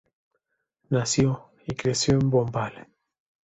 Nació y creció en Bombay.